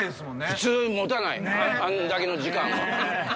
普通持たないあんだけの時間は。